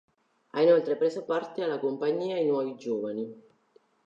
Ha inoltre preso parte alla compagnia "I nuovi giovani".